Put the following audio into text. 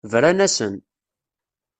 Bran-asen.